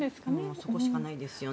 そこしかないですよね。